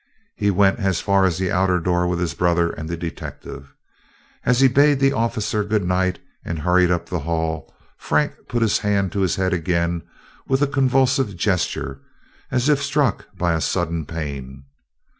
He went as far as the outer door with his brother and the detective. As he bade the officer good night and hurried up the hall, Frank put his hand to his head again with a convulsive gesture, as if struck by a sudden pain.